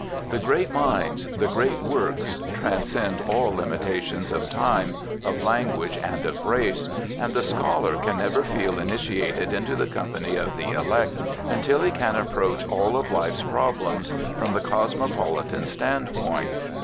The great minds, the great works transcend all limitations of time, of language, and of race, and the scholar can never feel initiated into the company of the elect until he can approach all of life's problems from the cosmopolitan standpoint.